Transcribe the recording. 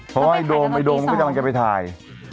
เพราะไอ้โดมก็จะกำลังจะไปถ่าย